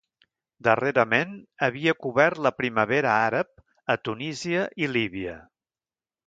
Darrerament havia cobert la Primavera Àrab a Tunísia i Líbia.